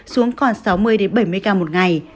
xuống còn sáu mươi bảy mươi ca một ngày